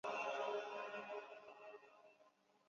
香港英治时期法官也译为按察司。